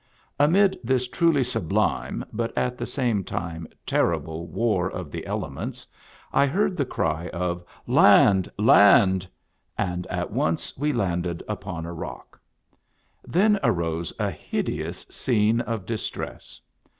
Amid this truly sublime, but at the same time terrible war of the elements, I heard the cry of " Land ! land !" and at once we landed upon a rock. Then arose a hideous scene of distress.